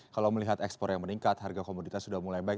kalau melihat ekspor yang meningkat harga komoditas sudah mulai baik